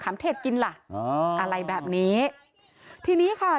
สวัสดีคุณผู้ชายสวัสดีคุณผู้ชาย